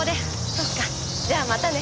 そっかじゃあまたね。